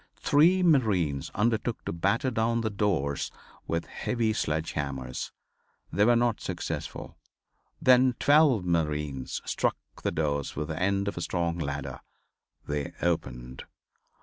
Three marines undertook to batter down the doors with heavy sledge hammers. They were not successful. Then twelve marines struck the doors with the end of a strong ladder. They opened.